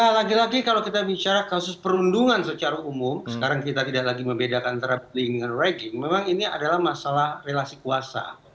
ya lagi lagi kalau kita bicara kasus perundungan secara umum sekarang kita tidak lagi membedakan antara bullying dan ragging memang ini adalah masalah relasi kuasa